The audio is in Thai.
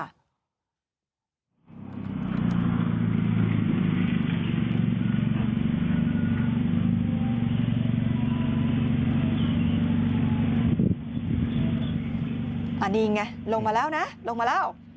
อันนี้ไงลงมาแล้วนะลงมาแล้ว